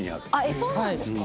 えっそうなんですか？